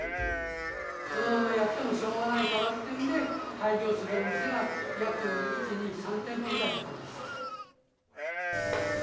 このままやってもしょうがないからっていうんで、廃業するお店が約１、２、３店舗ぐらいあります。